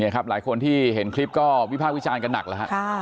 นี่ครับหลายคนได้เห็นคลิปวิ่นวิภาแหละนะค่ะ